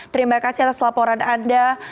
terima kasih atas laporan anda